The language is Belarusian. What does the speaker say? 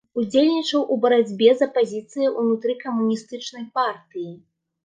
Удзельнічаў у барацьбе з апазіцыяй ўнутры камуністычнай партыі.